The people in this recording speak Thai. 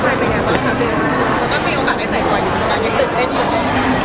ก็ก็มีโอกาสกัดถึงตื่นเต้นอยู่เลย